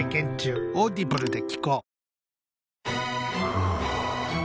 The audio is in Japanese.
ふぅ